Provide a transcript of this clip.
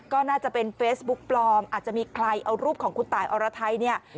ก็น่าจะเป็นเฟซบุ๊กปลอมอาจจะมีใครเอารูปของคุณตายอรไทยเนี่ย